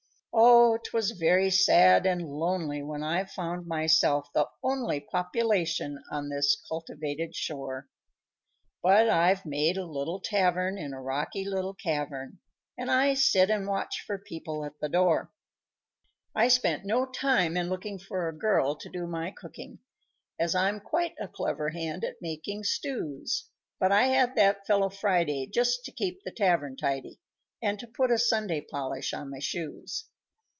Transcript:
_ _Oh! 'twas very sad and lonely When I found myself the only Population on this cultivated shore; But I've made a little tavern In a rocky little cavern, And I sit and watch for people at the door._ _I spent no time in looking For a girl to do my cooking, As I'm quite a clever hand at making stews But I had that fellow Friday, Just to keep the tavern tidy, And to put a Sunday polish on my shoes.